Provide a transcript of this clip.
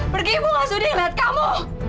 pergi ibu gak sudi ngeliat kamu